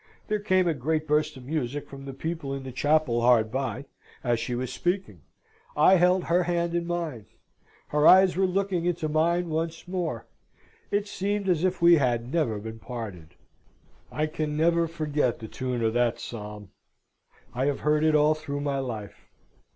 There came a great burst of music from the people in the chapel hard by, as she was speaking. I held her hand in mine. Her eyes were looking into mine once more. It seemed as if we had never been parted. I can never forget the tune of that psalm. I have heard it all through my life.